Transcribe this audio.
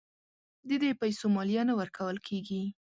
د دې پیسو مالیه نه ورکول کیږي.